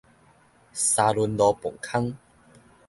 沙崙路磅空